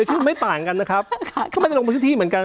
ชื่อไม่ต่างกันนะครับก็ไม่ได้ลงพื้นที่เหมือนกัน